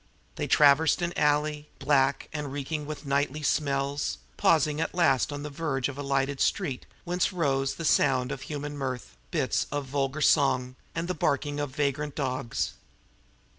They traversed an alley, black and reeking with nightly smells, pausing at last on the verge of a lighted street whence rose the sound of human mirth, bits of vulgar song, and the barking of vagrant dogs.